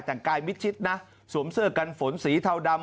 แต่งกายมิดชิดนะสวมเสื้อกันฝนสีเทาดำ